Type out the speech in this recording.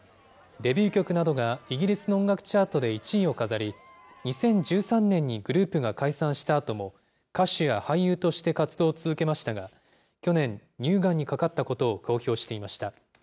デビュー曲などがイギリスの音楽チャートで１位を飾り、２０１３年にグループが解散したあとも、歌手や俳優として活動を続けましたが、去年、乳がんにかかったことを公表していました。